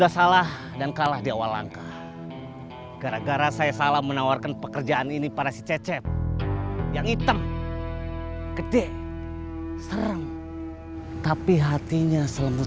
harga sepeda gak tau